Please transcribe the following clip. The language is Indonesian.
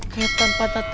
kayak tanpa tata tepi